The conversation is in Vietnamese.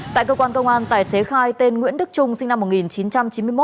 tại cơ quan công an tài xế khai tên nguyễn đức trung sinh năm một nghìn chín trăm chín mươi một